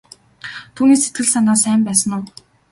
Түүний сэтгэл санаа сайн байсан уу?